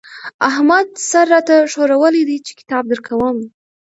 احمد سر را ته ښورولی دی چې کتاب درکوم.